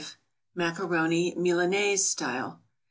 =Macaroni Milanaise style.